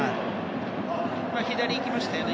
左に行きましたね。